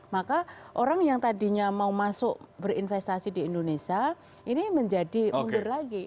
maka orang yang tadinya mau masuk berinvestasi di indonesia ini menjadi under lagi